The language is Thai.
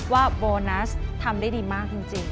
ว่าโบนัสทำได้ดีมากจริง